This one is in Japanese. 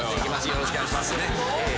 よろしくお願いします。